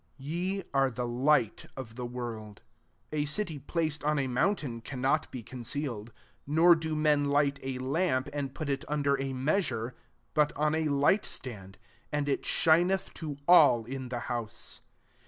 14 Ye are the Hght of the world. A city placed on a mountain cannot be con cealed. 15 Nor do men light a lamp, and put it under a mea sure, but on a light stand : and it ^hineth to all in the house.